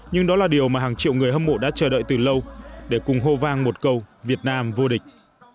nhưng đó là điều mà hàng triệu người hâm mộ đã chờ đợi từ lâu để cùng hô vang một câu việt nam vô địch